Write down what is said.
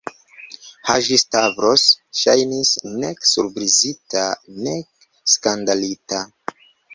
Haĝi-Stavros ŝajnis nek surprizita, nek skandalita.